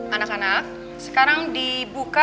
anak anak sekarang dibuka